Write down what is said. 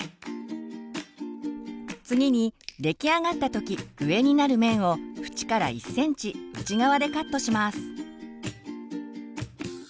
次に出来上がった時上になる面を縁から１ｃｍ内側でカットします。